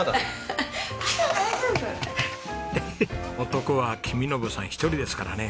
男は公伸さん１人ですからね。